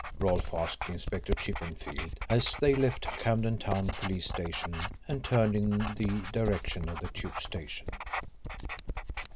Rolfe asked Inspector Chippenfield, as they left the Camden Town Police Station and turned in the direction of the Tube station.